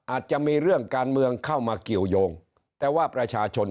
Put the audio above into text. อาจจะมีเรื่องการเมืองเข้ามาเกี่ยวยงแต่ว่าประชาชน